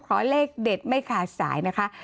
ขอเลขเด็ดไม่ขาดสายนะคะ